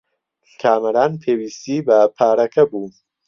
کامەران پێویستیی بە پارەکە بوو.